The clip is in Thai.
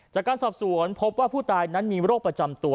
จากการสอบสวนพบว่าผู้ตายนั้นมีโรคประจำตัว